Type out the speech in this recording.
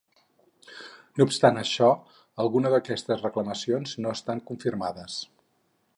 No obstant això, algunes d'aquestes reclamacions no estan confirmades.